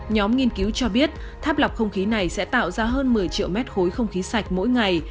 nhóm nghiên cứu cho biết tháp lọc không khí này sẽ tạo ra hơn một mươi triệu mét khối không khí sạch mỗi ngày